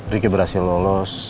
riki berhasil lolos